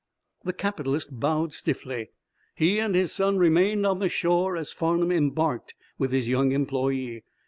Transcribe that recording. The capitalist bowed stiffly. He and his son remained on the shore as Farnum embarked with his young employe.